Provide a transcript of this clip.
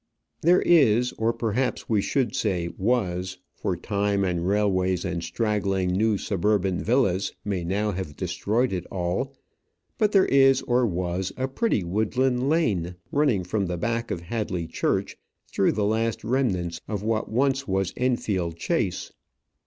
There is or perhaps we should say was; for time and railways, and straggling new suburban villas, may now have destroyed it all; but there is, or was, a pretty woodland lane, running from the back of Hadley church, through the last remnants of what once was Enfield Chase.